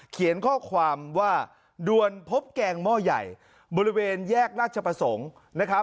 เขียนข้อความว่าด่วนพบแกงหม้อใหญ่บริเวณแยกราชประสงค์นะครับ